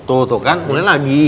tuh tuh kan mulai lagi